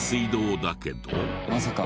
まさか。